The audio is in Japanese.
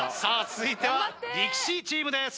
続いては力士チームです